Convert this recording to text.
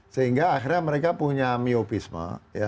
sehingga akhirnya mereka punya miopisme